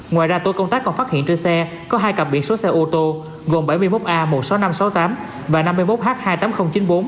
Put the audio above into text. ngoài ra tổ công tác còn phát hiện trên xe có hai cặp biển số xe ô tô gồm bảy mươi một a một mươi sáu nghìn năm trăm sáu mươi tám và năm mươi một h hai mươi tám nghìn chín mươi bốn